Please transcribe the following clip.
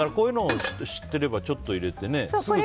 だから、こういうのを知ってればちょっと入れてね。